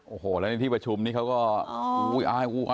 โอ้โหแล้วที่ประชุมนี้เขาก็